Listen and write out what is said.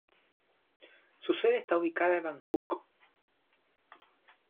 Su sede está ubicada en Bangkok.